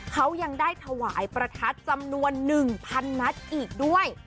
เขายังได้ถวายประทัดจำนวน๑๐๐นัดอีกด้วย